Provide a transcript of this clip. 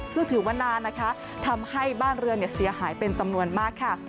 ซึ่งถือว่านานนะคะทำให้บ้านเรือนเสียหายเป็นจำนวนมากค่ะ